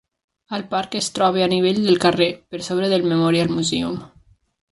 El parc es troba a nivell del carrer, per sobre del Memorial Museum.